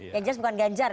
ganjar bukan ganjar ya